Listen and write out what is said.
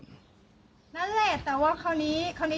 นั่นแหละแต่ว่าคราวนี้